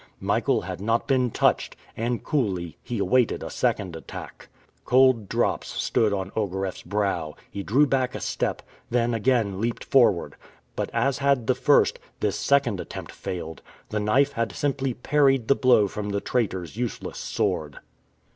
Michael had not been touched, and coolly he awaited a second attack. Cold drops stood on Ogareff's brow. He drew back a step, then again leaped forward. But as had the first, this second attempt failed. The knife had simply parried the blow from the traitor's useless sword.